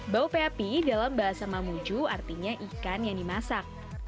bau peapi dalam bahasa mamuju artinya ikan yang dimasak